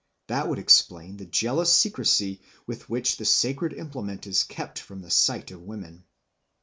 That would explain the jealous secrecy with which the sacred implement is kept from the sight of women.